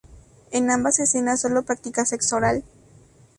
En ambas escenas solo practica sexo oral.